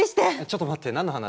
ちょっと待って何の話？